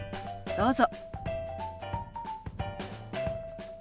どうぞ。